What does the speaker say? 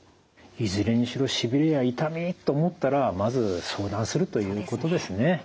いずれにしろしびれや痛みと思ったらまず相談するということですね。